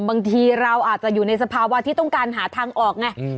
บางทีเราอาจจะอยู่ในสภาวะที่ต้องการหาทางออกไง